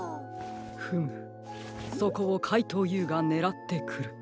フムそこをかいとうＵがねらってくる。